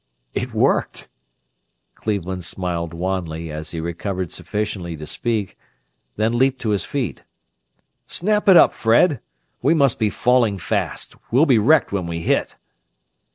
"It worked." Cleveland smiled wanly as he recovered sufficiently to speak, then leaped to his feet. "Snap it up, Fred! We must be falling fast we'll be wrecked when we hit!"